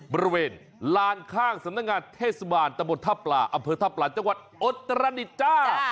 บริเวณลานข้างสำนักงานเทศบาลตะบนท่าปลาอำเภอท่าปลาจังหวัดอุตรดิษฐ์จ้า